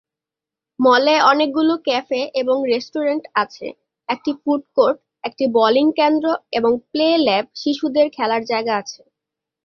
মলে অনেকগুলি ক্যাফে এবং রেস্টুরেন্ট আছে, একটি ফুড কোর্ট, একটি বোলিং কেন্দ্র, এবং "প্লে ল্যাব" শিশুদের খেলার জায়গা আছে।